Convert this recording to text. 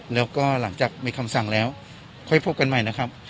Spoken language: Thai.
แล้วก็หลังจากมีคำสั่งแล้วค่อยพบกันใหม่นะครับ